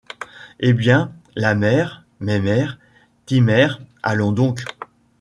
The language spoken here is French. Eh! bien, la mère, mémère, timère, allons donc !